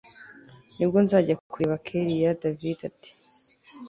nibwo nzajya kureba kellia david ati